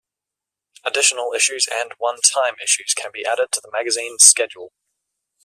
Additional issues and one-time issues can be added to the magazine schedule.